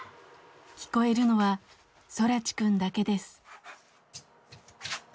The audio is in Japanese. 聞こえるのは空知くんだけです。